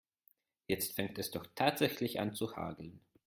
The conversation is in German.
Jetzt fängt es doch tatsächlich an zu hageln.